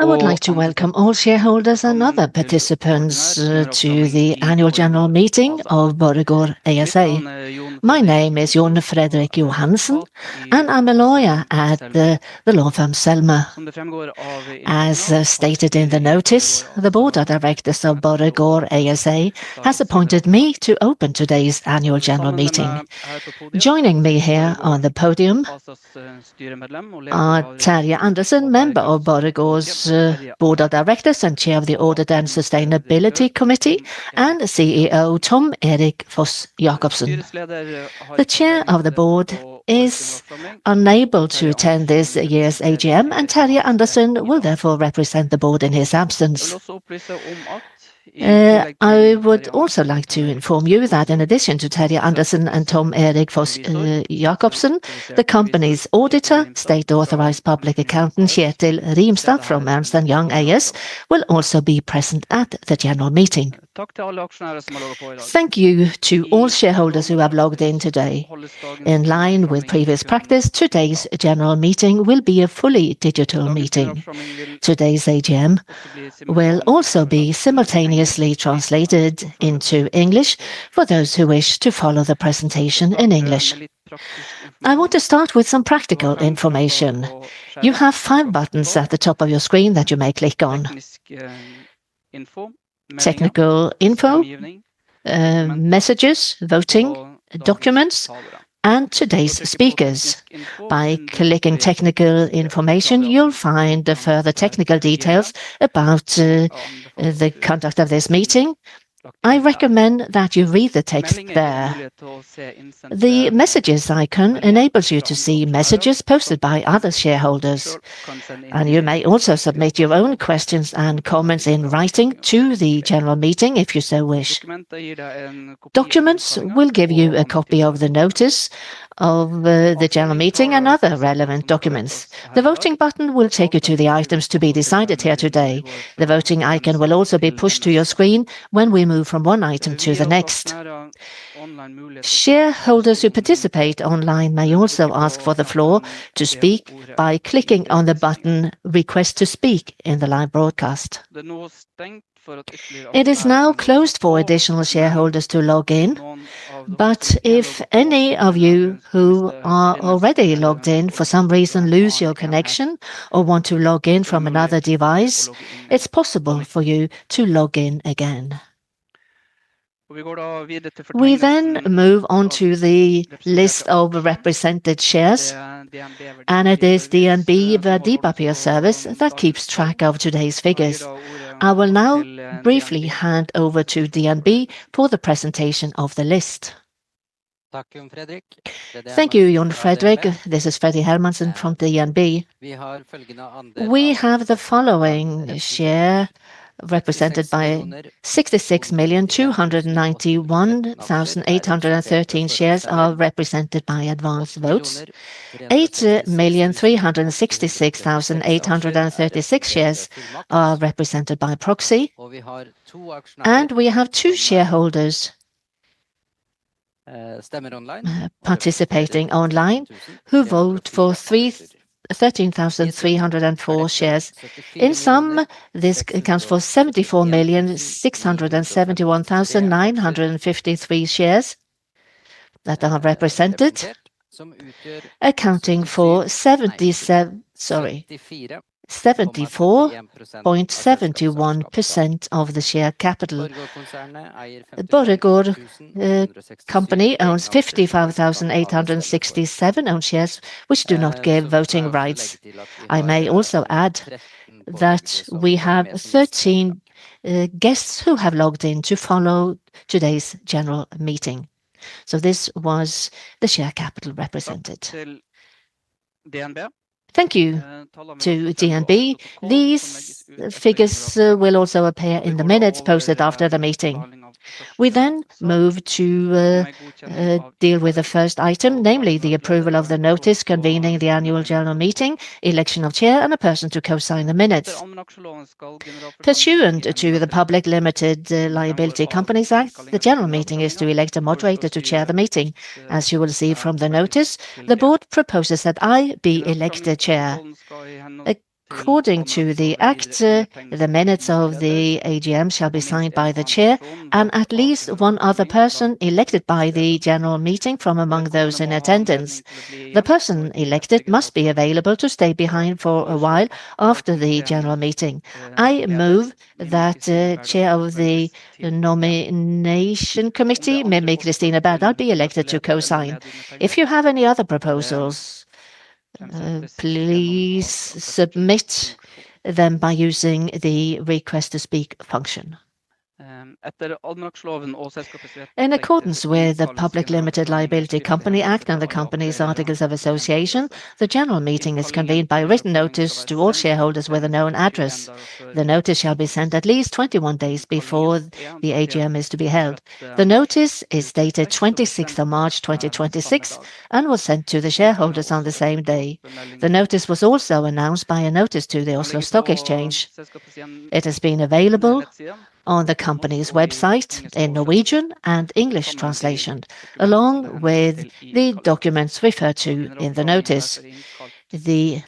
I would like to welcome all shareholders and other participants to the annual general meeting of Borregaard ASA. My name is Jon Fredrik Johansen, and I'm a lawyer at the law firm Selmer. As stated in the notice, the board of directors of Borregaard ASA has appointed me to open today's annual general meeting. Joining me here on the podium are Terje Andersen, member of Borregaard's board of directors and chair of the Audit and Sustainability Committee, and CEO Tom Erik Foss-Jacobsen. The chair of the board is unable to attend this year's AGM, and Terje Andersen will therefore represent the board in his absence. I would also like to inform you that in addition to Terje Andersen and Tom Erik Foss-Jacobsen, the company's auditor, state authorized public accountant, Kjetil Rimstad from Ernst & Young AS, will also be present at the general meeting. Thank you to all shareholders who have logged in today. In line with previous practice, today's general meeting will be a fully digital meeting. Today's AGM will also be simultaneously translated into English for those who wish to follow the presentation in English. I want to start with some practical information. You have five buttons at the top of your screen that you may click on. Technical info, messages, voting, documents, and today's speakers. By clicking technical information, you'll find the further technical details about the conduct of this meeting. I recommend that you read the text there. The messages icon enables you to see messages posted by other shareholders, and you may also submit your own questions and comments in writing to the general meeting if you so wish. Documents will give you a copy of the notice of the general meeting and other relevant documents. The voting button will take you to the items to be decided here today. The voting icon will also be pushed to your screen when we move from one item to the next. Shareholders who participate online may also ask for the floor to speak by clicking on the button, Request to speak in the live broadcast. It is now closed for additional shareholders to log in, but if any of you who are already logged in, for some reason lose your connection or want to log in from another device, it's possible for you to log in again. We then move on to the list of represented shares, and it is DNB Verdipapirservice that keeps track of today's figures. I will now briefly hand over to DNB for the presentation of the list. Thank you, Jon Fredrik. This is Freddy Hermansen from DNB. We have the following shares represented by 66,291,813 shares represented by advance votes. 8,366,836 shares are represented by proxy. We have two shareholders participating online who vote for 13,304 shares. In sum, this accounts for 74,671,953 shares that are represented, accounting for 74.71% of the share capital. Borregaard Company owns 55,867 own shares, which do not give voting rights. I may also add that we have 13 guests who have logged in to follow today's general meeting. This was the share capital represented. Thank you to DNB. These figures will also appear in the minutes posted after the meeting. We move to deal with the first item, namely the approval of the notice convening the annual general meeting, election of chair, and a person to co-sign the minutes. Pursuant to the Public Limited Liability Companies Act, the general meeting is to elect a moderator to chair the meeting. As you will see from the notice, the board proposes that I be elected chair. According to the act, the minutes of the AGM shall be signed by the chair and at least one other person elected by the general meeting from among those in attendance. The person elected must be available to stay behind for a while after the general meeting. I move that Chair of the Nomination Committee, Mimi Kristine Berdal, now be elected to co-sign. If you have any other proposals, please submit them by using the Request to speak function. In accordance with the Public Limited Liability Companies Act and the company's articles of association, the general meeting is convened by written notice to all shareholders with a known address. The notice shall be sent at least 21 days before the AGM is to be held. The notice is dated 26th of March 2026, and was sent to the shareholders on the same day. The notice was also announced by a notice to the Oslo Stock Exchange. It has been available on the company's website in Norwegian and English translation, along with the documents referred to in the notice. The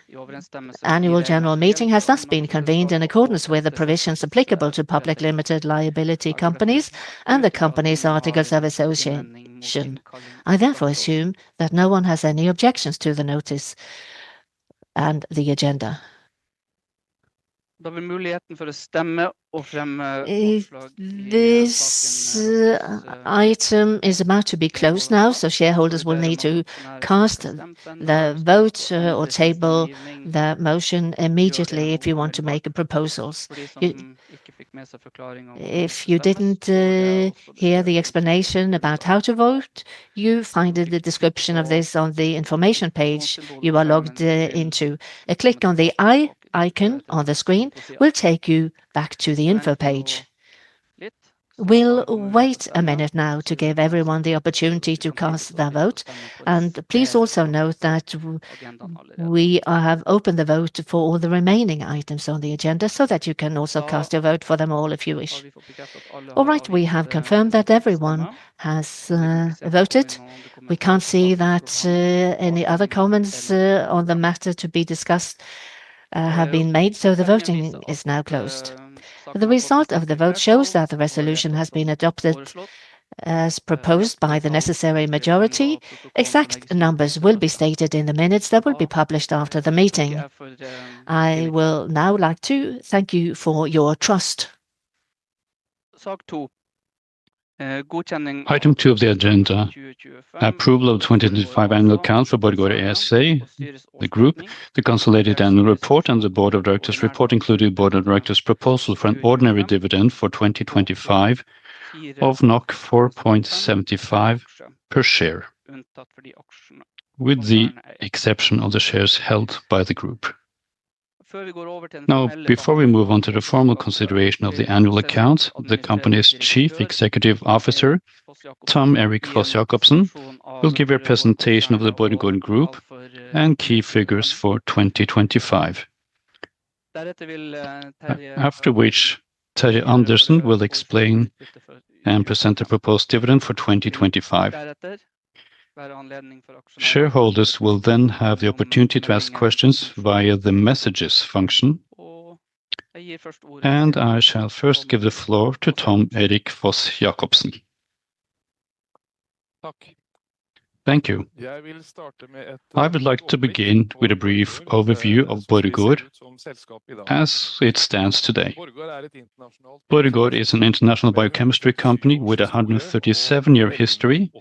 annual general meeting has thus been convened in accordance with the provisions applicable to public limited liability companies and the company's articles of association. I therefore assume that no one has any objections to the notice and the agenda. The opportunity to vote and table motions in this item is about to be closed now, so shareholders will need to cast their votes or table their motion immediately if you want to make proposals. If you didn't hear the explanation about how to vote, you'll find the description of this on the information page you are logged into. A click on the "i" icon on the screen will take you back to the info page. We'll wait a minute now to give everyone the opportunity to cast their vote, and please also note that we have opened the vote for all the remaining items on the agenda so that you can also cast your vote for them all if you wish. All right, we have confirmed that everyone has voted. We can't see that any other comments on the matter to be discussed have been made, so the voting is now closed. The result of the vote shows that the resolution has been adopted as proposed by the necessary majority. Exact numbers will be stated in the minutes that will be published after the meeting. I will now like to thank you for your trust. Item two of the agenda, approval of the 2025 annual accounts for Borregaard ASA, the group, the consolidated annual report, and the Board of Directors' report, including Board of Directors' proposal for an ordinary dividend for 2025 of 4.75 per share, with the exception of the shares held by the group. Now, before we move on to the formal consideration of the annual accounts, the company's Chief Executive Officer, Tom Erik Foss-Jacobsen, will give a presentation of the Borregaard Group and key figures for 2025. After which, Terje Andersen will explain and present a proposed dividend for 2025. Shareholders will then have the opportunity to ask questions via the messages function, and I shall first give the floor to Tom Erik Foss-Jacobsen. Thank you. I would like to begin with a brief overview of Borregaard as it stands today. Borregaard is an international biochemistry company with a 137-year history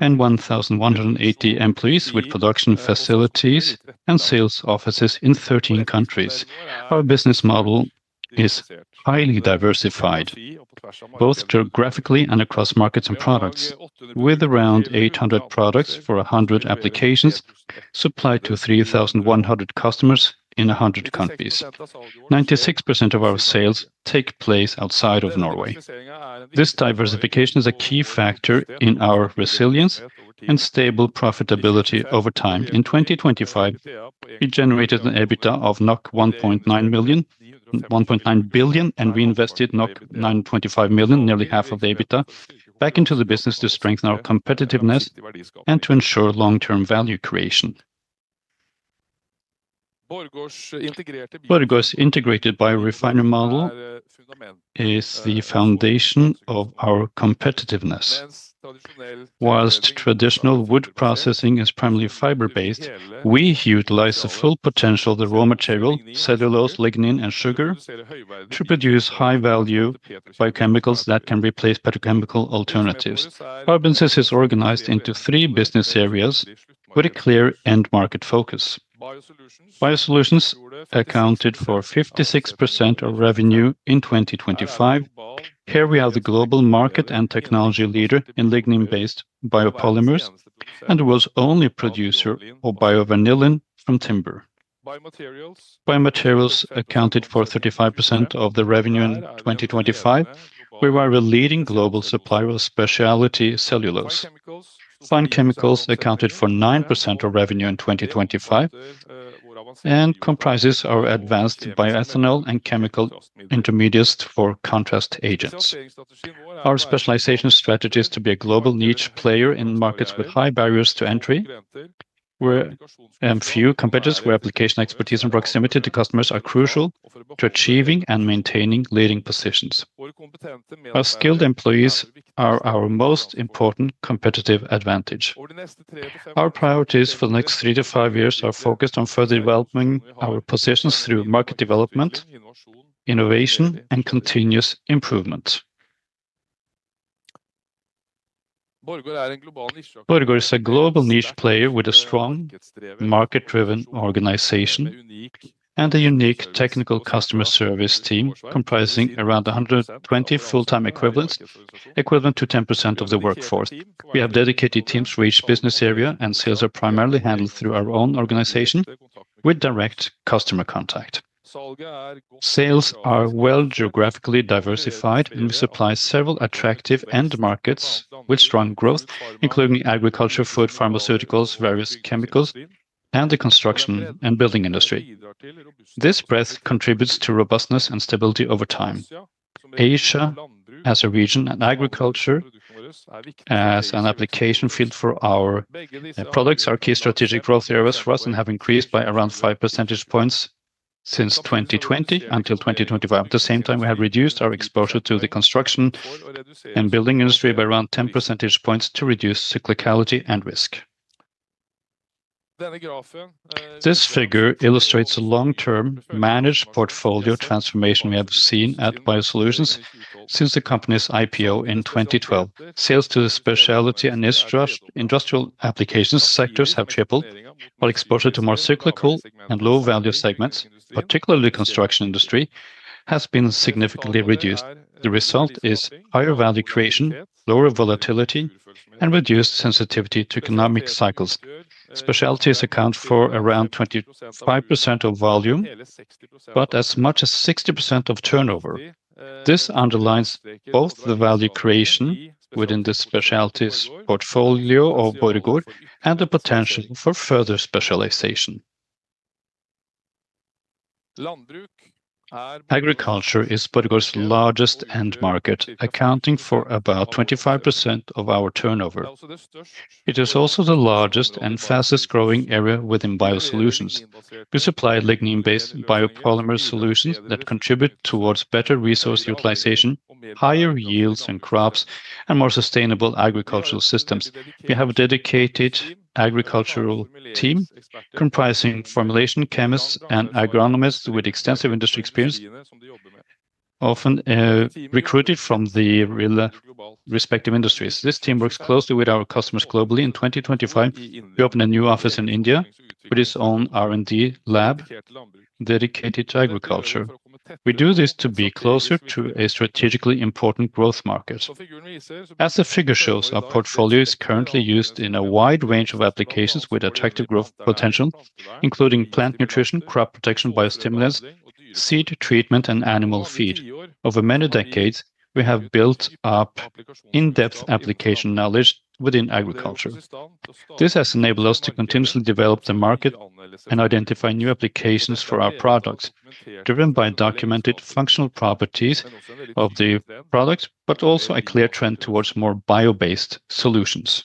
and 1,180 employees with production facilities and sales offices in 13 countries. Our business model is highly diversified, both geographically and across markets and products, with around 800 products for 100 applications supplied to 3,100 customers in 100 countries. 96% of our sales take place outside of Norway. This diversification is a key factor in our resilience and stable profitability over time. In 2025, we generated an EBITDA of 1.9 billion, and we invested 925 million, nearly half of the EBITDA, back into the business to strengthen our competitiveness and to ensure long-term value creation. Borregaard's integrated biorefinery model is the foundation of our competitiveness. While traditional wood processing is primarily fiber-based, we utilize the full potential of the raw material, cellulose, lignin, and sugar, to produce high-value biochemicals that can replace petrochemical alternatives. Our business is organized into three business areas with a clear end market focus. BioSolutions accounted for 56% of revenue in 2025. Here we are the global market and technology leader in lignin-based biopolymers and the world's only producer of biovanillin from timber. BioMaterials accounted for 35% of the revenue in 2025, where we're a leading global supplier of speciality cellulose. Fine Chemicals accounted for 9% of revenue in 2025, and comprises our advanced bioethanol and chemical intermediates for contrast agents. Our specialization strategy is to be a global niche player in markets with high barriers to entry and few competitors, where application expertise and proximity to customers are crucial to achieving and maintaining leading positions. Our skilled employees are our most important competitive advantage. Our priorities for the next three to five years are focused on further developing our positions through market development, innovation, and continuous improvement. Borregaard is a global niche player with a strong market-driven organization and a unique technical customer service team comprising around 120 full-time equivalents, equivalent to 10% of the workforce. We have dedicated teams for each business area, and sales are primarily handled through our own organization with direct customer contact. Sales are well geographically diversified, and we supply several attractive end markets with strong growth, including agriculture, food, pharmaceuticals, various chemicals, and the construction and building industry. This breadth contributes to robustness and stability over time. Asia as a region and agriculture as an application field for our products are key strategic growth areas for us and have increased by around five percentage points since 2020 until 2025. At the same time, we have reduced our exposure to the construction and building industry by around 10 percentage points to reduce cyclicality and risk. This figure illustrates a long-term managed portfolio transformation we have seen at BioSolutions since the company's IPO in 2012. Sales to the specialty and industrial applications sectors have tripled while exposure to more cyclical and low-value segments, particularly construction industry, has been significantly reduced. The result is higher value creation, lower volatility, and reduced sensitivity to economic cycles. Specialties account for around 25% of volume, but as much as 60% of turnover. This underlines both the value creation within the specialties portfolio of Borregaard and the potential for further specialization. Agriculture is Borregaard's largest end market, accounting for about 25% of our turnover. It is also the largest and fastest-growing area within BioSolutions. We supply lignin-based biopolymer solutions that contribute toward better resource utilization, higher yields in crops, and more sustainable agricultural systems. We have a dedicated agricultural team comprising formulation chemists and agronomists with extensive industry experience, often recruited from the respective industries. This team works closely with our customers globally. In 2025, we opened a new office in India with its own R&D lab dedicated to agriculture. We do this to be closer to a strategically important growth market. As the figure shows, our portfolio is currently used in a wide range of applications with attractive growth potential, including plant nutrition, crop protection, biostimulants, seed treatment, and animal feed. Over many decades, we have built up in-depth application knowledge within agriculture. This has enabled us to continuously develop the market and identify new applications for our products, driven by documented functional properties of the products, but also a clear trend towards more bio-based solutions.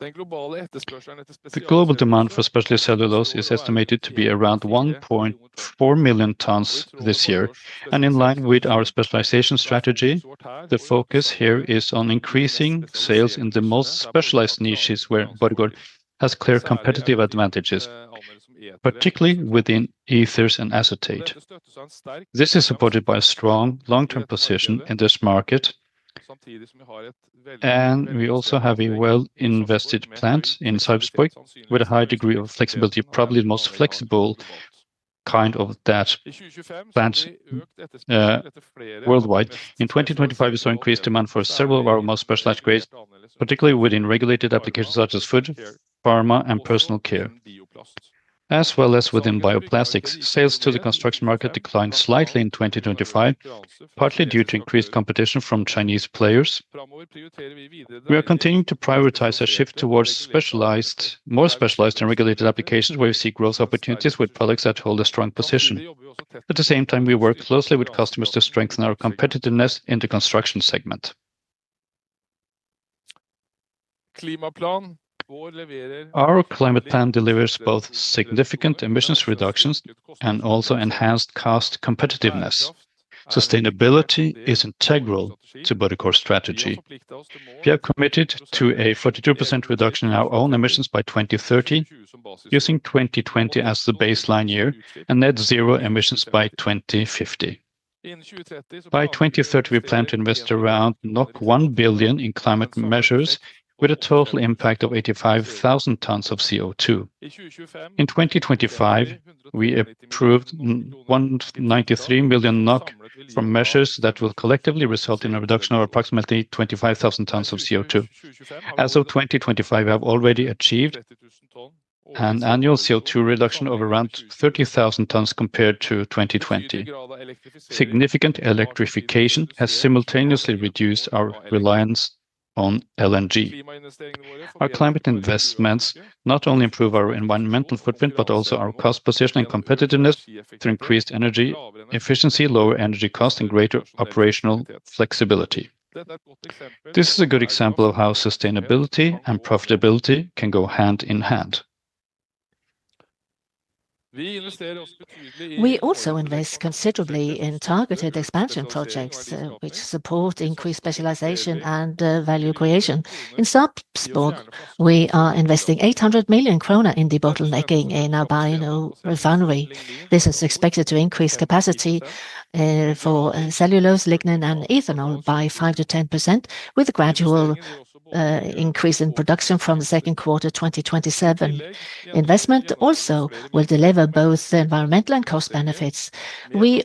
The global demand for specialty cellulose is estimated to be around 1.4 million tons this year. In line with our specialization strategy, the focus here is on increasing sales in the most specialized niches where Borregaard has clear competitive advantages, particularly within ethers and acetate. This is supported by a strong long-term position in this market, and we also have a well-invested plant in Sarpsborg with a high degree of flexibility, probably the most flexible kind of that plant worldwide. In 2025, we saw increased demand for several of our most specialized grades, particularly within regulated applications such as food, pharma, and personal care, as well as within bioplastics. Sales to the construction market declined slightly in 2025, partly due to increased competition from Chinese players. We are continuing to prioritize a shift towards more specialized and regulated applications where we see growth opportunities with products that hold a strong position. At the same time, we work closely with customers to strengthen our competitiveness in the construction segment. Our climate plan delivers both significant emissions reductions and also enhanced cost competitiveness. Sustainability is integral to Borregaard's strategy. We are committed to a 42% reduction in our own emissions by 2030, using 2020 as the baseline year, and net zero emissions by 2050. By 2030, we plan to invest around 1 billion in climate measures with a total impact of 85,000 tons of CO2. In 2025, we approved 193 million NOK from measures that will collectively result in a reduction of approximately 25,000 tons of CO2. As of 2025, we have already achieved an annual CO2 reduction of around 30,000 tons compared to 2020. Significant electrification has simultaneously reduced our reliance on LNG. Our climate investments not only improve our environmental footprint, but also our cost position and competitiveness through increased energy efficiency, lower energy cost, and greater operational flexibility. This is a good example of how sustainability and profitability can go hand in hand. We invest considerably in targeted expansion projects, which support increased specialization and value creation. In Sarpsborg, we are investing 800 million kroner in debottlenecking in our biorefinery. This is expected to increase capacity for cellulose, lignin, and ethanol by 5%-10%, with a gradual increase in production from the second quarter 2027. Investment also will deliver both environmental and cost benefits. We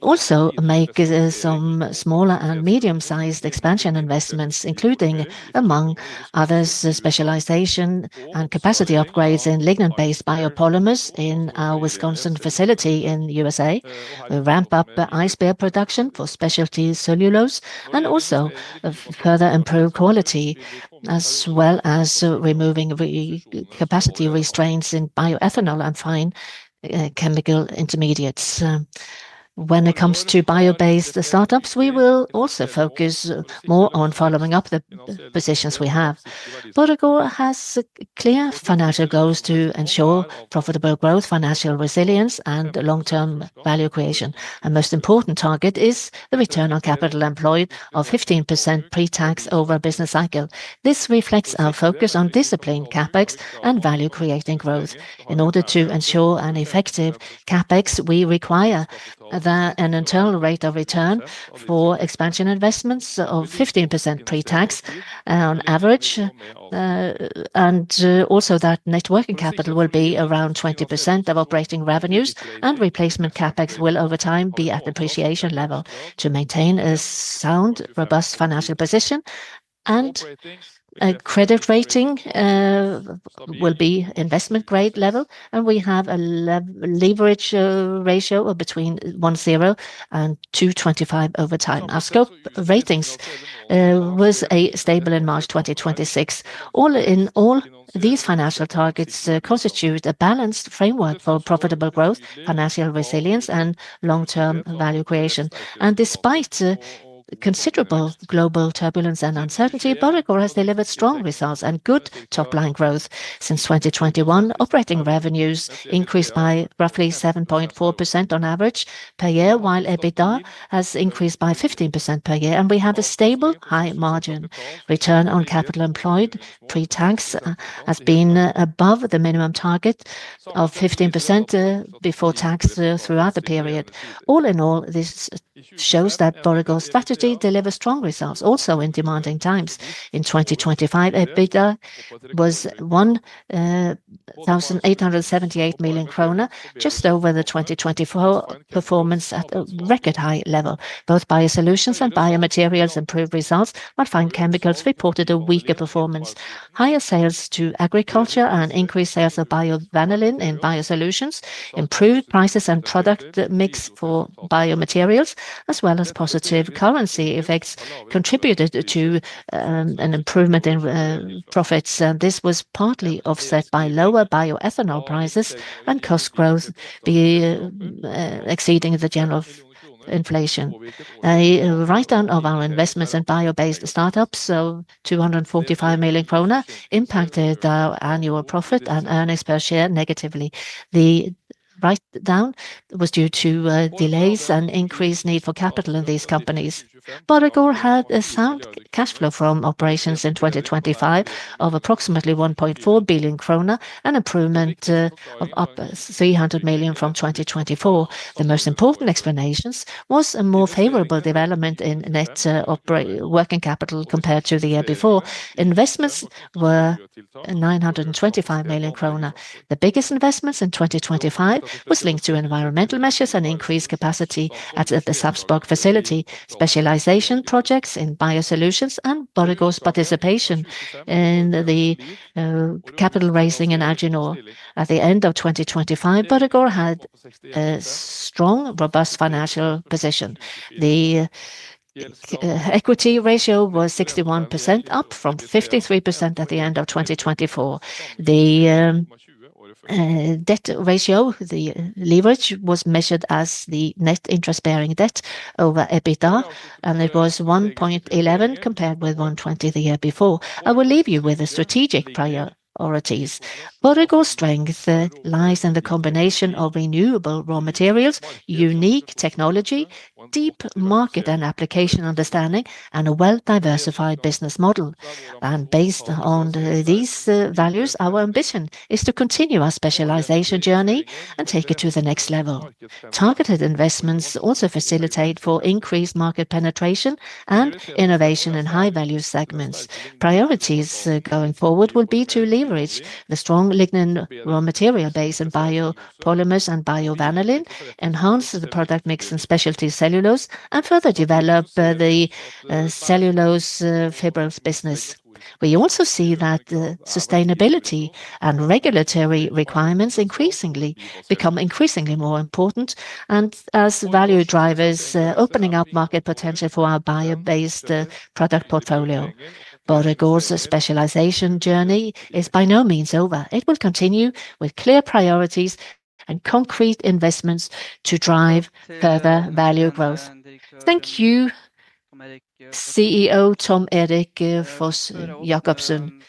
make some smaller and medium-sized expansion investments, including, among others, specialization and capacity upgrades in lignin-based biopolymers in our Wisconsin facility in the USA. We ramp up IceBear production for speciality cellulose and also further improve quality as well as removing capacity restraints in bioethanol and fine chemical intermediates. When it comes to bio-based startups, we will also focus more on following up the positions we have. Borregaard has clear financial goals to ensure profitable growth, financial resilience, and long-term value creation. A most important target is the return on capital employed of 15% pre-tax over a business cycle. This reflects our focus on discipline, CapEx, and value-creating growth. In order to ensure an effective CapEx, we require an internal rate of return for expansion investments of 15% pre-tax on average, and also that net working capital will be around 20% of operating revenues and replacement CapEx will over time be at depreciation level to maintain a sound, robust financial position. A credit rating will be investment grade level, and we have a leverage ratio of between 1.0 and 2.25 over time. Our Scope Ratings was stable in March 2026. All in all, these financial targets constitute a balanced framework for profitable growth, financial resilience, and long-term value creation. Despite considerable global turbulence and uncertainty, Borregaard has delivered strong results and good top-line growth. Since 2021, operating revenues increased by roughly 7.4% on average per year, while EBITDA has increased by 15% per year. We have a stable high-margin return on capital employed. Pre-tax has been above the minimum target of 15% before tax throughout the period. All in all, this shows that Borregaard's strategy delivers strong results also in demanding times. In 2025, EBITDA was 1,878 million kroner, just over the 2024 performance at a record high level. Both BioSolutions and BioMaterials improved results, while Fine Chemicals reported a weaker performance. Higher sales to agriculture and increased sales of biovanillin in BioSolutions, improved prices and product mix for BioMaterials, as well as positive currency effects contributed to an improvement in profits. This was partly offset by lower bioethanol prices and cost growth exceeding the general inflation. A write-down of our investments in bio-based startups of 245 million kroner impacted our annual profit and earnings per share negatively. The write-down was due to delays and increased need for capital in these companies. Borregaard had a sound cash flow from operations in 2025 of approximately 1.4 billion krone, an improvement of up 300 million from 2024. The most important explanations was a more favorable development in net working capital compared to the year before. Investments were 925 million kroner. The biggest investments in 2025 was linked to environmental measures and increased capacity at the Sarpsborg facility, specialization projects in BioSolutions, and Borregaard's participation in the capital raising in Alginor. At the end of 2025, Borregaard had a strong, robust financial position. The equity ratio was 61%, up from 53% at the end of 2024. The debt ratio, the leverage, was measured as the net interest-bearing debt over EBITDA, and it was 1.11, compared with 1.20 the year before. I will leave you with the strategic priorities. Borregaard's strength lies in the combination of renewable raw materials, unique technology, deep market and application understanding, and a well-diversified business model. Based on these values, our ambition is to continue our specialization journey and take it to the next level. Targeted investments also facilitate for increased market penetration and innovation in high-value segments. Priorities going forward will be to leverage the strong lignin raw material base in biopolymers and biovanillin, enhance the product mix in speciality cellulose, and further develop the cellulose fibres business. We also see that sustainability and regulatory requirements become increasingly more important and as value drivers, opening up market potential for our bio-based product portfolio. Borregaard's specialization journey is by no means over. It will continue with clear priorities and concrete investments to drive further value growth. Thank you, CEO Tom Erik Foss-Jacobsen.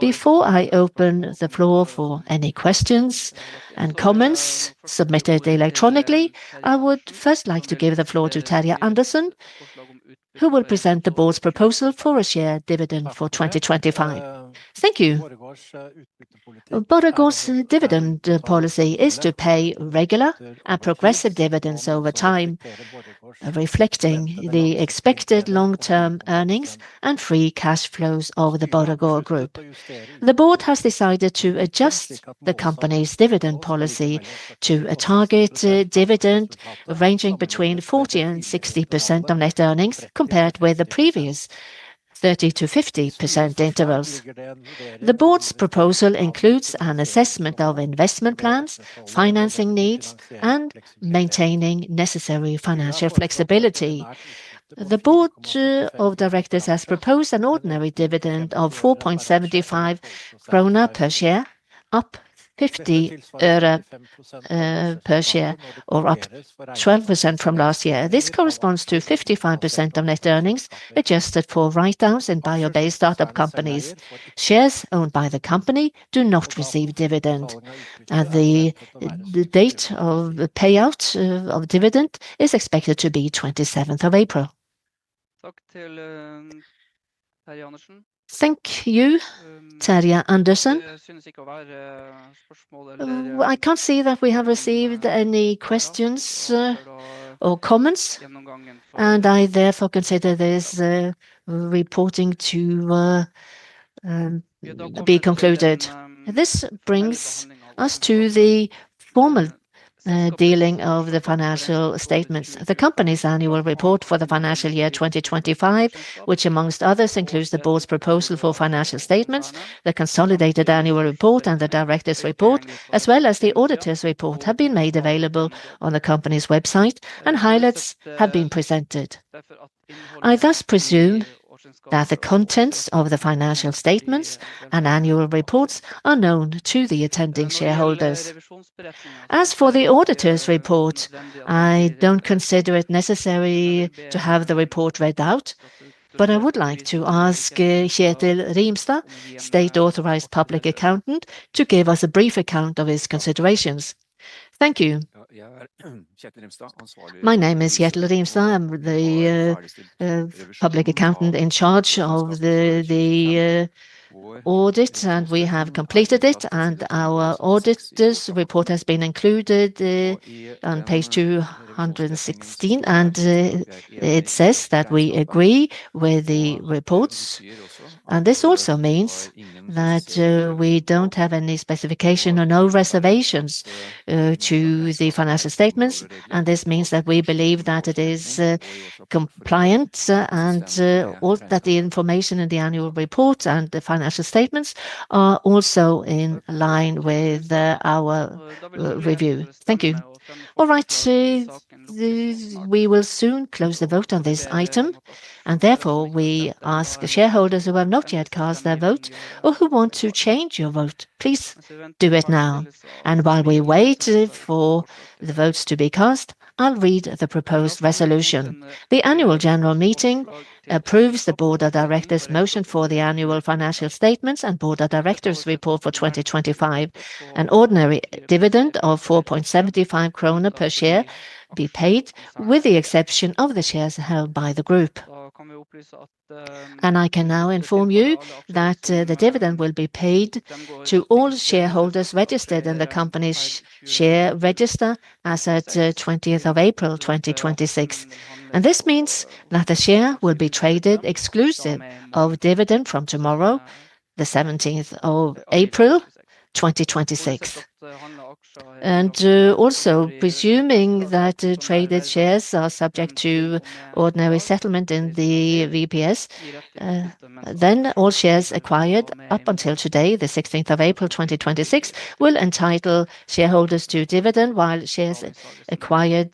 Before I open the floor for any questions and comments submitted electronically, I would first like to give the floor to Terje Andersen, who will present the board's proposal for a share dividend for 2025. Thank you. Borregaard's dividend policy is to pay regular and progressive dividends over time, reflecting the expected long-term earnings and free cash flows of the Borregaard group. The board has decided to adjust the company's dividend policy to a target dividend ranging between 40%-60% of net earnings, compared with the previous 30%-50% intervals. The board's proposal includes an assessment of investment plans, financing needs, and maintaining necessary financial flexibility. The Board of Directors has proposed an ordinary dividend of 4.75 krone per share. Up NOK 50 per share or up 12% from last year. This corresponds to 55% of net earnings, adjusted for write-downs in bio-based startup companies. Shares owned by the company do not receive dividend. The date of the payout of dividend is expected to be 27th of April. Thank you, Terje Andersen. I can't see that we have received any questions or comments, and I therefore consider this reporting to be concluded. This brings us to the formal dealing of the financial statements. The company's annual report for the financial year 2025, which among others includes the board's proposal for financial statements, the consolidated annual report and the directors' report, as well as the auditors' report have been made available on the company's website and highlights have been presented. I thus presume that the contents of the financial statements and annual reports are known to the attending shareholders. As for the auditors' report, I don't consider it necessary to have the report read out, but I would like to ask Kjetil Rimstad, State Authorized Public Accountant, to give us a brief account of his considerations. Thank you. My name is Kjetil Rimstad. I'm the public accountant in charge of the audit, and we have completed it, and our auditor's report has been included on page 216, and it says that we agree with the reports. This also means that we don't have any specification or no reservations to the financial statements, and this means that we believe that it is compliant and that the information in the annual report and the financial statements are also in line with our review. Thank you. All right. We will soon close the vote on this item, and therefore we ask the shareholders who have not yet cast their vote or who want to change your vote, please do it now. While we wait for the votes to be cast, I'll read the proposed resolution. The annual general meeting approves the board of directors' motion for the annual financial statements and board of directors report for 2025. An ordinary dividend of 4.75 krone per share be paid, with the exception of the shares held by the group. I can now inform you that the dividend will be paid to all shareholders registered in the company's share register as at 20th of April 2026. This means that the share will be traded exclusive of dividend from tomorrow, the 17th of April 2026. Also presuming that traded shares are subject to ordinary settlement in the VPS, then all shares acquired up until today, the 16th of April 2026, will entitle shareholders to dividend, while shares acquired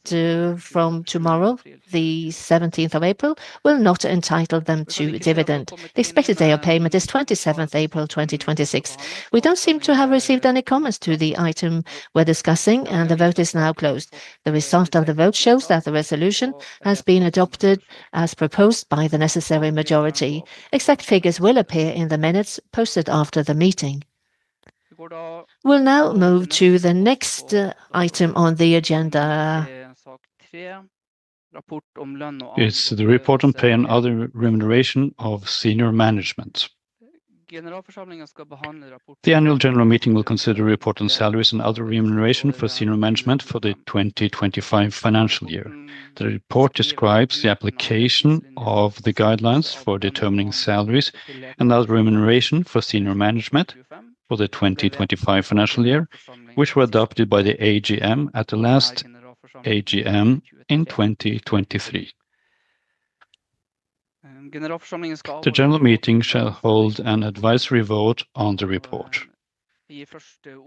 from tomorrow, the 17th of April, will not entitle them to dividend. The expected day of payment is 27th April 2026. We don't seem to have received any comments to the item we're discussing, and the vote is now closed. The result of the vote shows that the resolution has been adopted as proposed by the necessary majority. Exact figures will appear in the minutes posted after the meeting. We'll now move to the next item on the agenda. It's the report on pay and other remuneration of senior management. The annual general meeting will consider the report on salaries and other remuneration for senior management for the 2025 financial year. The report describes the application of the guidelines for determining salaries and other remuneration for senior management for the 2025 financial year, which were adopted by the AGM at the last AGM in 2023. The general meeting shall hold an advisory vote on the report,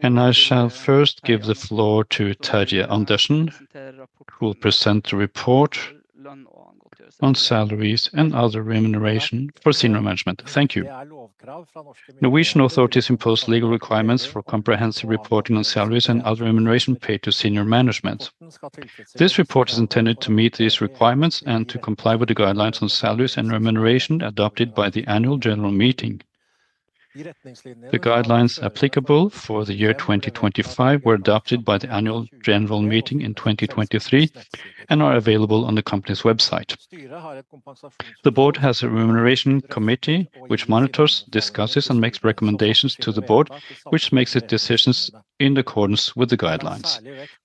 and I shall first give the floor to Terje Andersen, who will present the report on salaries and other remuneration for senior management. Thank you. Norwegian authorities impose legal requirements for comprehensive reporting on salaries and other remuneration paid to senior management. This report is intended to meet these requirements and to comply with the guidelines on salaries and remuneration adopted by the annual general meeting. The guidelines applicable for the year 2025 were adopted by the annual general meeting in 2023 and are available on the company's website. The board has a remuneration committee which monitors, discusses, and makes recommendations to the board, which makes its decisions in accordance with the guidelines.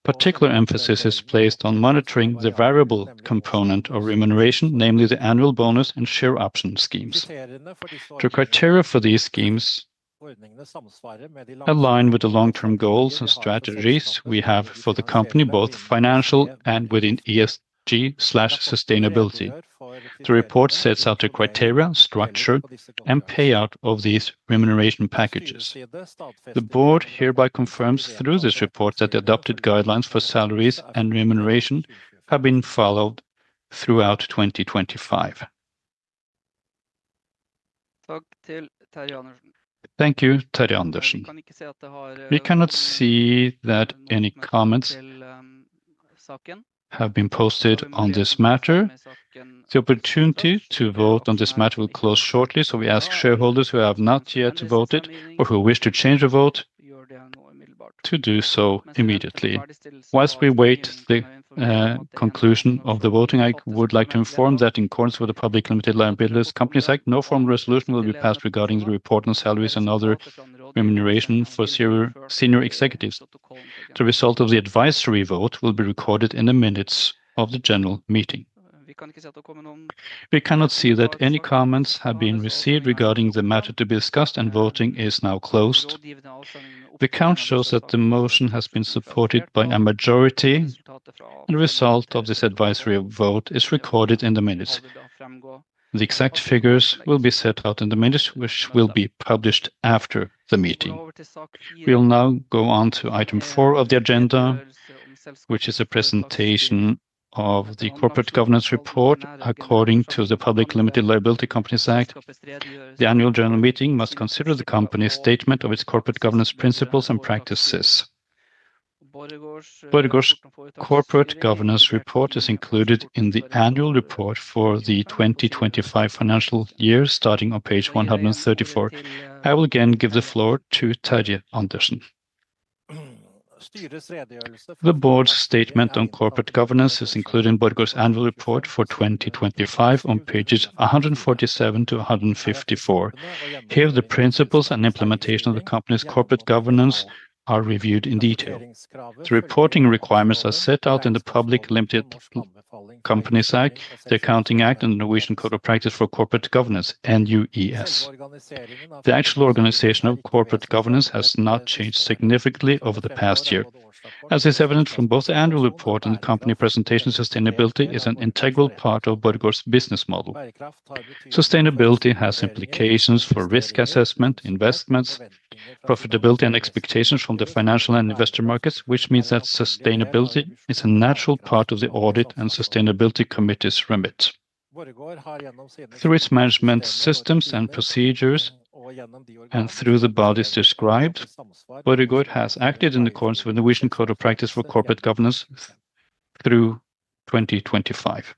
Particular emphasis is placed on monitoring the variable component of remuneration, namely the annual bonus and share option schemes. The criteria for these schemes align with the long-term goals and strategies we have for the company, both financial and within ESG/sustainability. The report sets out the criteria, structure, and payout of these remuneration packages. The board hereby confirms through this report that the adopted guidelines for salaries and remuneration have been followed throughout 2025. Thank you, Terje Andersen. We cannot see that any comments have been posted on this matter. The opportunity to vote on this matter will close shortly, so we ask shareholders who have not yet voted or who wish to change a vote to do so immediately. While we wait the conclusion of the voting, I would like to inform that in accordance with the Public Limited Liability Companies Act, no formal resolution will be passed regarding the report on salaries and other remuneration for senior executives. The result of the advisory vote will be recorded in the minutes of the general meeting. We cannot see that any comments have been received regarding the matter to be discussed, and voting is now closed. The count shows that the motion has been supported by a majority, and the result of this advisory vote is recorded in the minutes. The exact figures will be set out in the minutes, which will be published after the meeting. We'll now go on to item four of the agenda, which is a presentation of the corporate governance report. According to the Public Limited Liability Companies Act, the annual general meeting must consider the company's statement of its corporate governance principles and practices. Borregaard's corporate governance report is included in the annual report for the 2025 financial year starting on page 134. I will again give the floor to Terje Andersen. The board's statement on corporate governance is included in Borregaard's annual report for 2025 on pages 147 to 154. Here, the principles and implementation of the company's corporate governance are reviewed in detail. The reporting requirements are set out in the Public Limited Liability Companies Act, the Accounting Act, and the Norwegian Code of Practice for Corporate Governance, NUES. The actual organization of corporate governance has not changed significantly over the past year. As is evident from both the annual report and the company presentation, sustainability is an integral part of Borregaard's business model. Sustainability has implications for risk assessment, investments, profitability, and expectations from the financial and investor markets, which means that sustainability is a natural part of the Audit and Sustainability Committee's remit. Through its management systems and procedures and through the bodies described, Borregaard has acted in accordance with the Norwegian Code of Practice for Corporate Governance through 2025.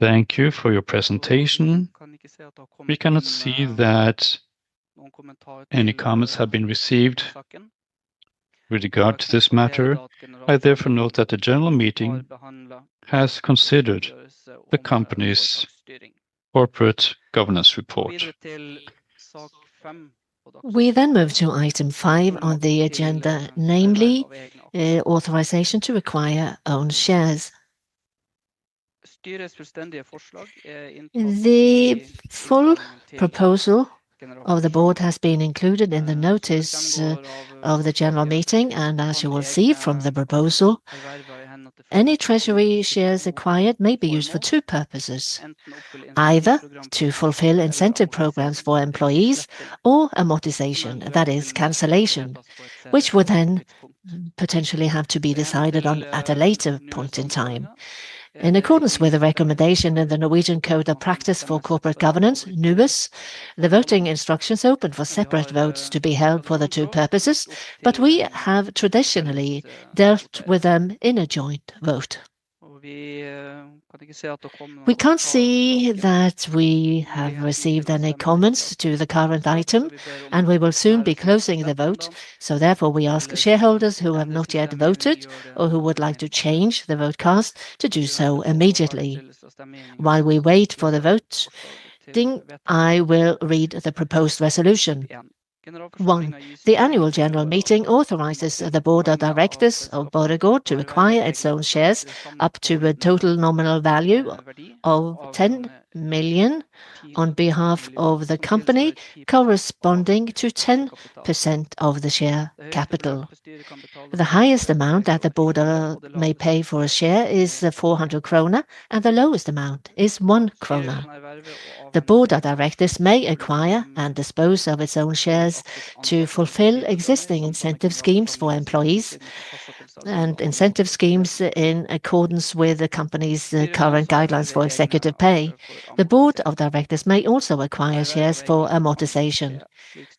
Thank you for your presentation. We cannot see that any comments have been received with regard to this matter. I therefore note that the general meeting has considered the company's corporate governance report. We move to item five on the agenda, namely authorization to acquire own shares. The full proposal of the Board has been included in the notice of the general meeting, and as you will see from the proposal, any treasury shares acquired may be used for two purposes, either to fulfill incentive programs for employees or amortization, that is cancellation, which would then potentially have to be decided on at a later point in time. In accordance with the recommendation in the Norwegian Code of Practice for Corporate Governance, NUES, the voting instructions allow for separate votes to be held for the two purposes, but we have traditionally dealt with them in a joint vote. We can't see that we have received any comments to the current item, and we will soon be closing the vote. We ask shareholders who have not yet voted or who would like to change their vote cast to do so immediately. While we wait for the voting, I will read the proposed resolution. One, the annual general meeting authorizes the board of directors of Borregaard to acquire its own shares up to a total nominal value of 10 million on behalf of the company, corresponding to 10% of the share capital. The highest amount that the board may pay for a share is 400 krone, and the lowest amount is 1 krone. The board of directors may acquire and dispose of its own shares to fulfill existing incentive schemes for employees and incentive schemes in accordance with the company's current guidelines for executive pay. The board of directors may also acquire shares for amortization.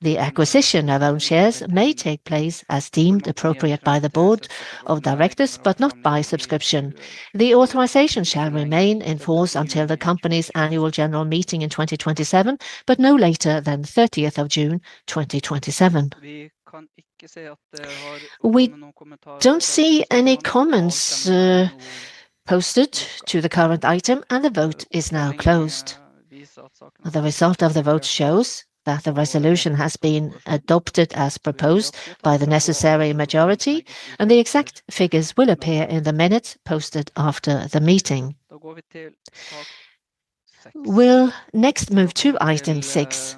The acquisition of own shares may take place as deemed appropriate by the Board of Directors but not by subscription. The authorization shall remain in force until the company's Annual General Meeting in 2027, but no later than 30th of June 2027. We don't see any comments posted to the current item, and the vote is now closed. The result of the vote shows that the resolution has been adopted as proposed by the necessary majority, and the exact figures will appear in the minutes posted after the meeting. We'll next move to item six.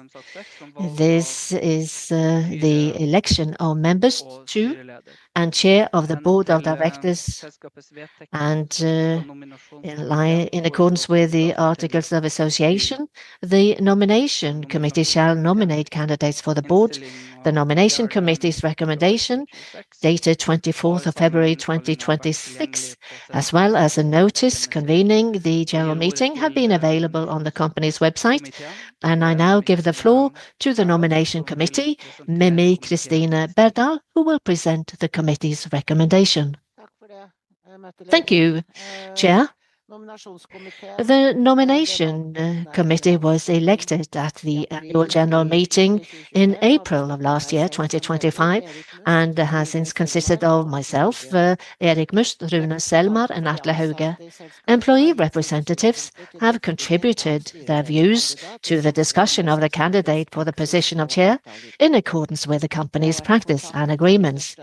This is the election of members to and chair of the Board of Directors, and in accordance with the articles of association, the Nomination Committee shall nominate candidates for the board. The nomination committee's recommendation, dated 24th of February 2026, as well as a notice convening the general meeting have been available on the company's website. I now give the floor to the nomination committee, Mimi Kristine Berdal, who will present the committee's recommendation. Thank you, Chair. The nomination committee was elected at the annual general meeting in April of last year, 2025, and has since consisted of myself, Erik Must, Rune Selmar, and Atle Hauge. Employee representatives have contributed their views to the discussion of the candidate for the position of chair in accordance with the company's practice and agreements.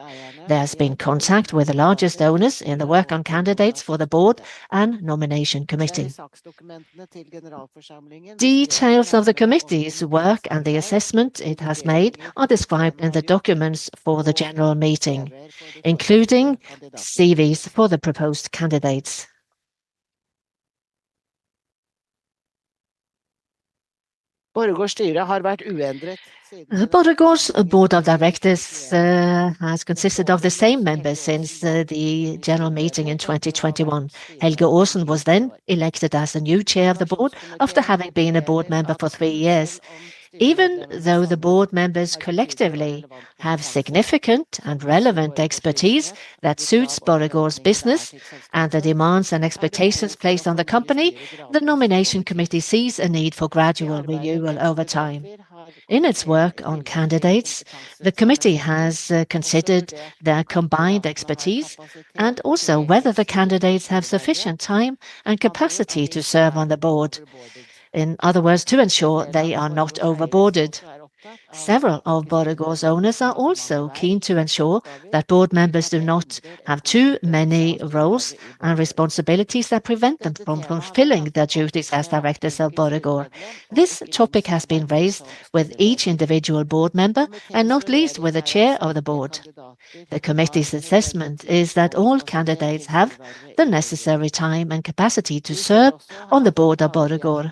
There's been contact with the largest owners in the work on candidates for the board and nomination committee. Details of the committee's work and the assessment it has made are described in the documents for the general meeting, including CVs for the proposed candidates. Borregaard's Board of Directors has consisted of the same members since the general meeting in 2021. Helge Aasen was then elected as the new Chair of the Board after having been a Board Member for three years. Even though the Board Members collectively have significant and relevant expertise that suits Borregaard's business and the demands and expectations placed on the company, the Nomination Committee sees a need for gradual renewal over time. In its work on candidates, the committee has considered their combined expertise and also whether the candidates have sufficient time and capacity to serve on the Board. In other words, to ensure they are not over-boarded. Several of Borregaard's owners are also keen to ensure that Board Members do not have too many roles and responsibilities that prevent them from fulfilling their duties as directors of Borregaard. This topic has been raised with each individual board member, and not least with the Chair of the Board. The committee's assessment is that all candidates have the necessary time and capacity to serve on the board of Borregaard.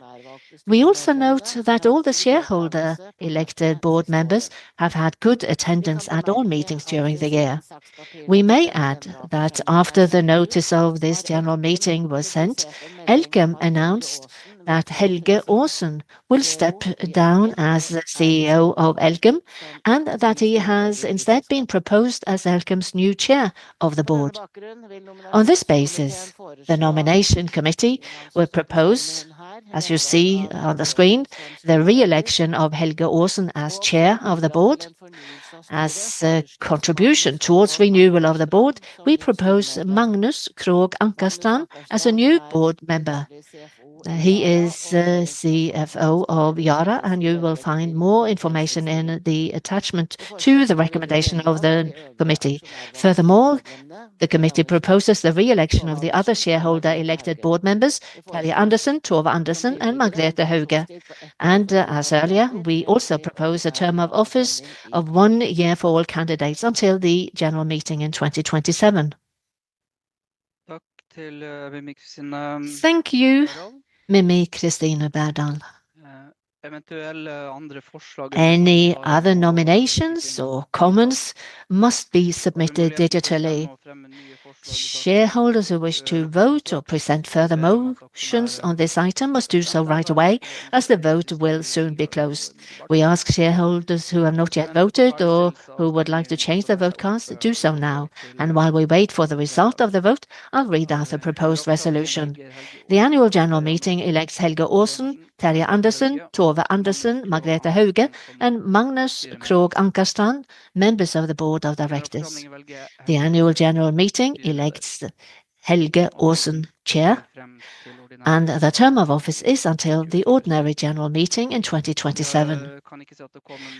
We also note that all the shareholder elected board members have had good attendance at all meetings during the year. We may add that after the notice of this general meeting was sent, Elkem announced that Helge Aasen will step down as the CEO of Elkem and that he has instead been proposed as Elkem's new Chair of the Board. On this basis, the nomination committee will propose, as you see on the screen, the re-election of Helge Aasen as Chair of the Board. As a contribution towards renewal of the board, we propose Magnus Krogh Ankarstrand as a new board member. He is the CFO of Yara, and you will find more information in the attachment to the recommendation of the committee. Furthermore, the committee proposes the re-election of the other shareholder elected board members, Terje Andersen, Tove Andersen, and Margrethe Hauge. As earlier, we also propose a term of office of one year for all candidates until the general meeting in 2027. Thank you, Mimi Kristine Berdal. Any other nominations or comments must be submitted digitally. Shareholders who wish to vote or present further motions on this item must do so right away, as the vote will soon be closed. We ask shareholders who have not yet voted or who would like to change their vote count to do so now. While we wait for the result of the vote, I'll read out the proposed resolution. The annual general meeting elects Helge Aasen, Terje Andersen, Tove Andersen, Margrethe Hauge, and Magnus Krogh Ankarstrand, members of the Board of Directors. The annual general meeting elects Helge Aasen, Chair, and the term of office is until the ordinary general meeting in 2027.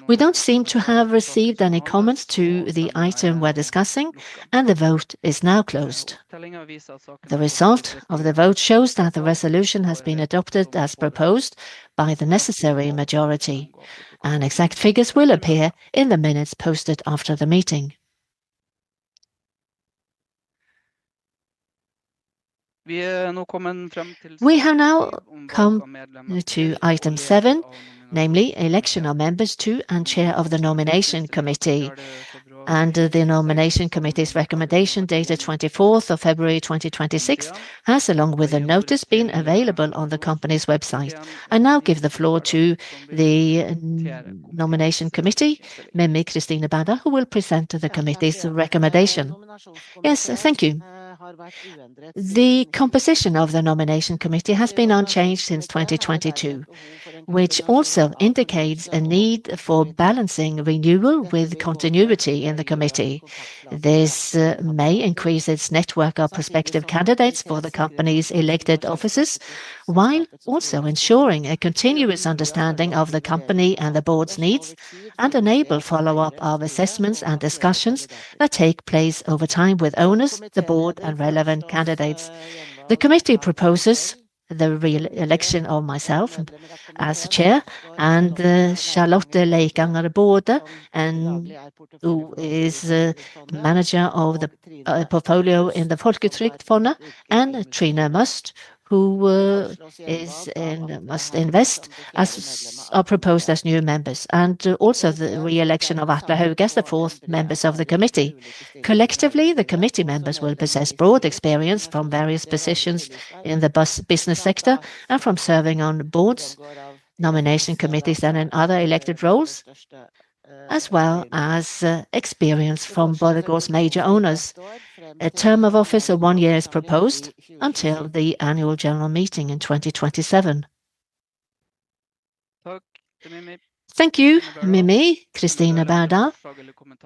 We don't seem to have received any comments to the item we're discussing, and the vote is now closed. The result of the vote shows that the resolution has been adopted as proposed by the necessary majority, and exact figures will appear in the minutes posted after the meeting. We have now come to item seven, namely election of members to and chair of the nomination committee. The nomination committee's recommendation, dated 24th of February 2026, has, along with the notice, been available on the company's website. I now give the floor to the nomination committee, Mimi Kristine Berdal, who will present the committee's recommendation. Yes, thank you. The composition of the Nomination Committee has been unchanged since 2022, which also indicates a need for balancing renewal with continuity in the committee. This may increase its network of prospective candidates for the company's elected offices, while also ensuring a continuous understanding of the company and the board's needs and enable follow-up of assessments and discussions that take place over time with owners, the board, and relevant candidates. The committee proposes the re-election of myself as chair and Charlotte Leikanger Rabaud, who is the manager of the portfolio in the Folketrygdfondet, and Trine Must, who is in Must Invest AS, are proposed as new members. The re-election of Atle Hauge as the fourth member of the committee. Collectively, the committee members will possess broad experience from various positions in the business sector and from serving on boards, nomination committees, and in other elected roles, as well as experience from Borregaard's major owners. A term of office of one year is proposed until the annual general meeting in 2027. Thank you, Mimi Kristine Berdal.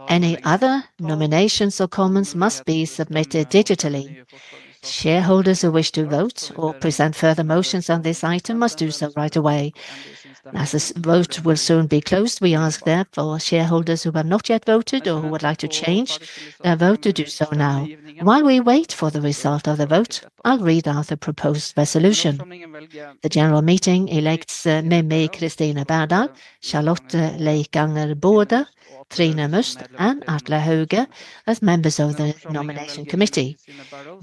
Any other nominations or comments must be submitted digitally. Shareholders who wish to vote or present further motions on this item must do so right away. As this vote will soon be closed, we ask therefore, shareholders who have not yet voted or who would like to change their vote to do so now. While we wait for the result of the vote, I'll read out the proposed resolution. The general meeting elects Mimi Kristine Berdal, Charlotte Leikanger Rabaud, Trine Must, and Atle Hauge as members of the Nomination Committee.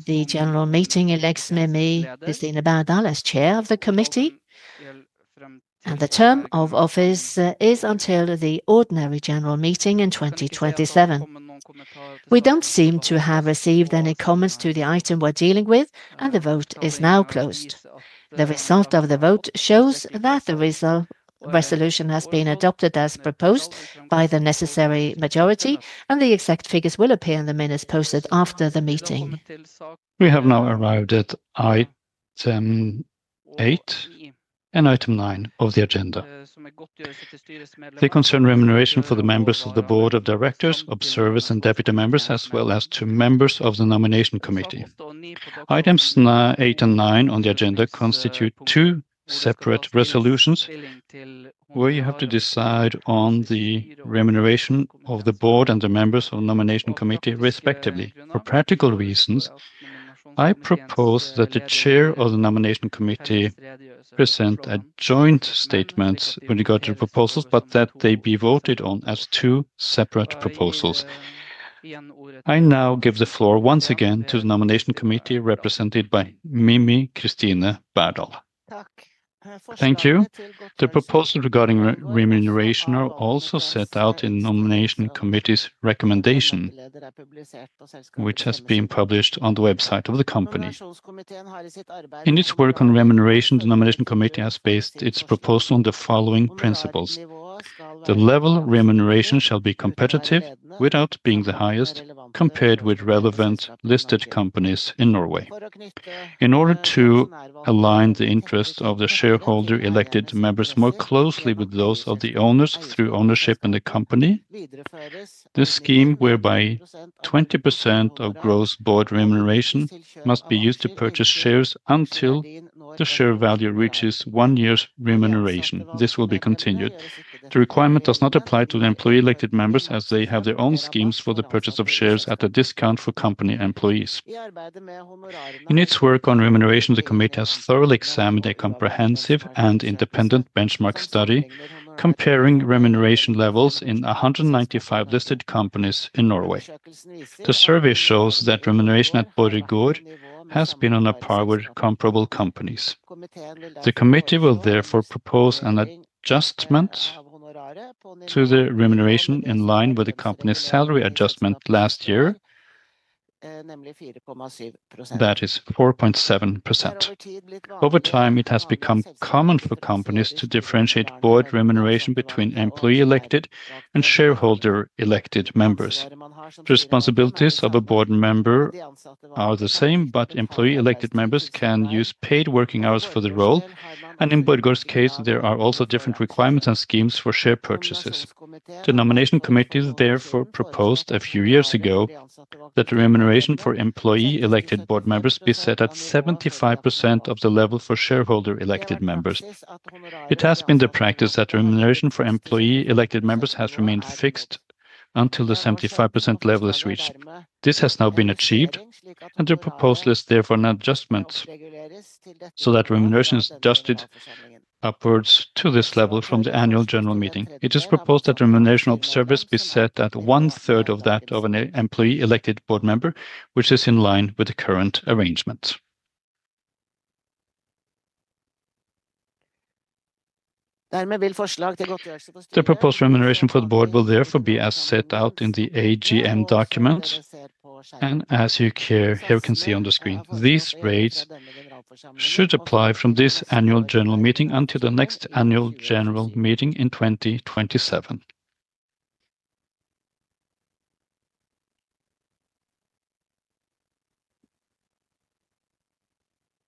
The general meeting elects Mimi Kristine Berdal as chair of the committee, and the term of office is until the ordinary general meeting in 2027. We don't seem to have received any comments to the item we're dealing with, and the vote is now closed. The result of the vote shows that the resolution has been adopted as proposed by the necessary majority, and the exact figures will appear in the minutes posted after the meeting. We have now arrived at item 8 and item 9 of the agenda. They concern remuneration for the members of the Board of Directors, observers, and deputy members, as well as to members of the Nomination Committee. Items 8 and 9 on the agenda constitute two separate resolutions, where you have to decide on the remuneration of the Board and the members of the Nomination Committee, respectively. For practical reasons, I propose that the Chair of the Nomination Committee present a joint statement when you got your proposals, but that they be voted on as two separate proposals. I now give the floor once again to the Nomination Committee represented by Mimi Kristine Berdal. Thank you. The proposal regarding remuneration is also set out in Nomination Committee's recommendation, which has been published on the website of the company. In its work on remuneration, the Nomination Committee has based its proposal on the following principles. The level of remuneration shall be competitive without being the highest, compared with relevant listed companies in Norway. In order to align the interest of the shareholder elected members more closely with those of the owners through ownership in the company, the scheme whereby 20% of gross Board remuneration must be used to purchase shares until the share value reaches one year's remuneration. This will be continued. The requirement does not apply to the employee-elected members, as they have their own schemes for the purchase of shares at a discount for company employees. In its work on remuneration, the committee has thoroughly examined a comprehensive and independent benchmark study comparing remuneration levels in 195 listed companies in Norway. The survey shows that remuneration at Borregaard has been on par with comparable companies. The committee will therefore propose an adjustment to the remuneration in line with the company's salary adjustment last year, that is 4.7%. Over time, it has become common for companies to differentiate board remuneration between employee elected and shareholder elected members. Responsibilities of a board member are the same, but employee elected members can use paid working hours for the role, and in Borregaard's case, there are also different requirements and schemes for share purchases. The nomination committee therefore proposed a few years ago that remuneration for employee elected board members be set at 75% of the level for shareholder elected members. It has been the practice that remuneration for employee elected members has remained fixed until the 75% level is reached. This has now been achieved, and the proposal is therefore an adjustment so that remuneration is adjusted upwards to this level from the annual general meeting. It is proposed that remuneration observers be set at one third of that of an employee elected board member, which is in line with the current arrangement. The proposed remuneration for the board will therefore be as set out in the AGM document, and as here you can see on the screen. These rates should apply from this annual general meeting until the next annual general meeting in 2027.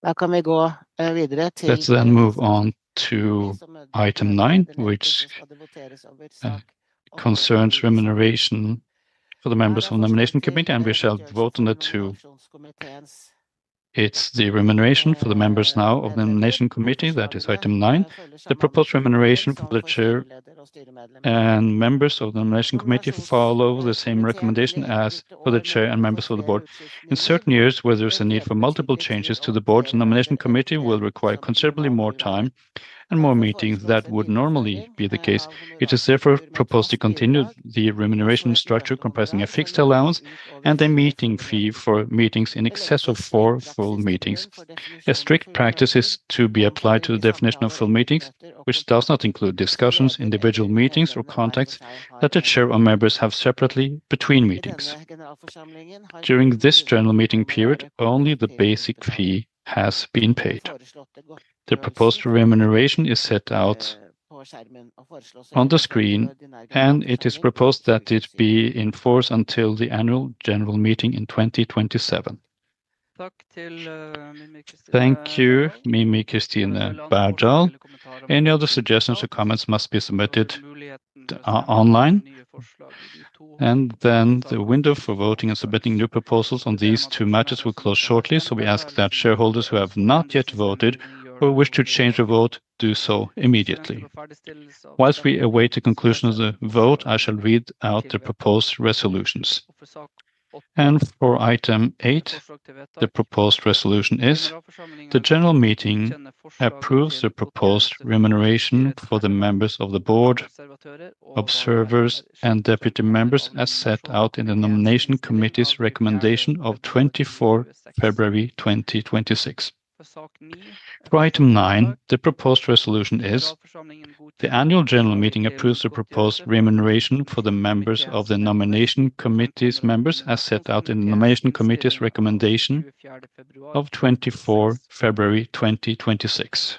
Let's move on to item nine, which concerns remuneration for the members of the nomination committee, and we shall vote on the two. It's the remuneration for the members now of the Nomination Committee, that is item nine. The proposed remuneration for the Chair and members of the Nomination Committee follows the same recommendation as for the Chair and members of the Board. In certain years where there's a need for multiple changes to the Board, the Nomination Committee will require considerably more time and more meetings than would normally be the case. It is therefore proposed to continue the remuneration structure comprising a fixed allowance and a meeting fee for meetings in excess of four full meetings. A strict practice is to be applied to the definition of full meetings, which does not include discussions, individual meetings, or contacts that the Chair or members have separately between meetings. During this general meeting period, only the basic fee has been paid. The proposed remuneration is set out on the screen, and it is proposed that it be in force until the annual general meeting in 2027. Thank you, Mimi Kristine Berdal. Any other suggestions or comments must be submitted online. Then the window for voting and submitting new proposals on these two matters will close shortly, so we ask that shareholders who have not yet voted or wish to change their vote do so immediately. While we await the conclusion of the vote, I shall read out the proposed resolutions. For item eight, the proposed resolution is the general meeting approves the proposed remuneration for the members of the board, observers, and deputy members, as set out in the Nomination Committee's recommendation of 24 February 2026. For item nine, the proposed resolution is: the annual general meeting approves the proposed remuneration for the members of the nomination committee's members, as set out in the nomination committee's recommendation of 24 February 2026.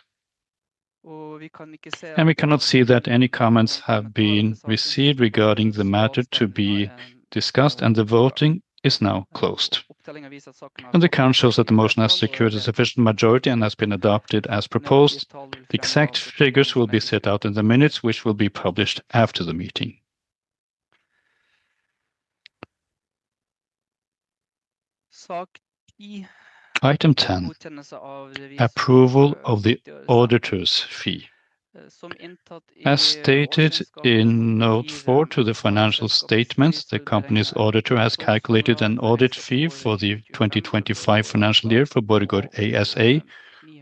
We cannot see that any comments have been received regarding the matter to be discussed, and the voting is now closed. The count shows that the motion has secured a sufficient majority and has been adopted as proposed. The exact figures will be set out in the minutes, which will be published after the meeting. Item 10, approval of the auditor's fee. As stated in note four to the financial statements, the company's auditor has calculated an audit fee for the 2025 financial year for Borregaard ASA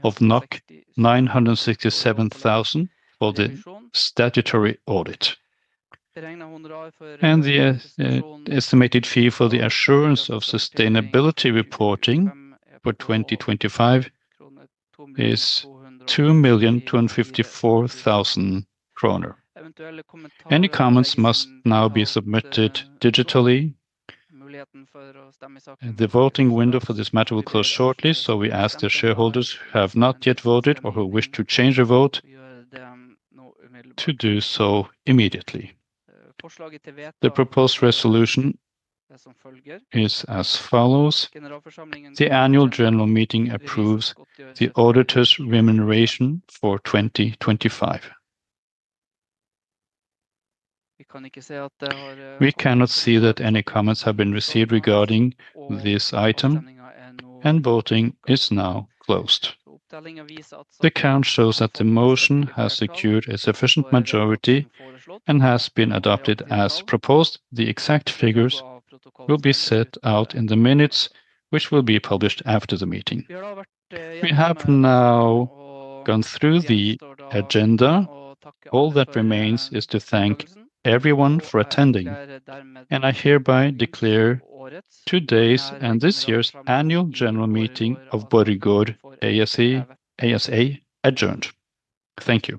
of 967,000 for the statutory audit. The estimated fee for the assurance of sustainability reporting for 2025 is 2,254,000 kroner. Any comments must now be submitted digitally, and the voting window for this matter will close shortly, so we ask the shareholders who have not yet voted or who wish to change their vote to do so immediately. The proposed resolution is as follows: the annual general meeting approves the auditor's remuneration for 2025. We cannot see that any comments have been received regarding this item, and voting is now closed. The count shows that the motion has secured a sufficient majority and has been adopted as proposed. The exact figures will be set out in the minutes, which will be published after the meeting. We have now gone through the agenda. All that remains is to thank everyone for attending, and I hereby declare today's and this year's annual general meeting of Borregaard ASA adjourned. Thank you.